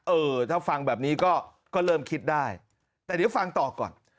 เออถ้าฟังแบบนี้ก็เริ่มคิดได้แต่เดี๋ยวฟังต่อก่อน